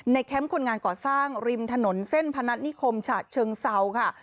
แคมป์คนงานก่อสร้างริมถนนเส้นพนัฐนิคมฉะเชิงเซาค่ะ